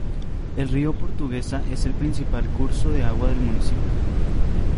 El Río Portuguesa es el principal curso de agua del municipio.